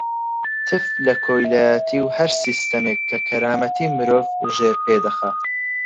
تف لە کۆیلایەتی و هەر سیستەمێک کە کەرامەتی مرۆڤ ژێرپێ دەخات.